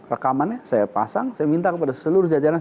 rekamannya saya pasang saya minta kepada seluruh jajaran